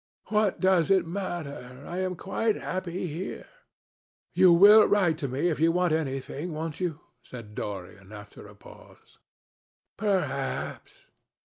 What does it matter? I am quite happy here." "You will write to me if you want anything, won't you?" said Dorian, after a pause. "Perhaps."